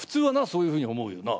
そういうふうに思うよな。